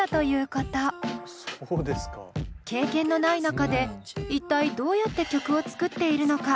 経験のない中で一体どうやって曲を作っているのか？